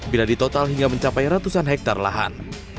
bila ditotal hingga mencapai ratusan hektare lahan